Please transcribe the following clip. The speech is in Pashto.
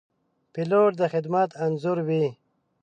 پیلوټ د خدمت انځور وي.